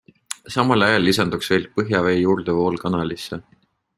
Samal ajal lisanduks veel põhjavee juurdevool kanalisse.